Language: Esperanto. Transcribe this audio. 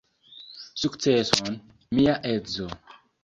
Sukceson, mia edzo!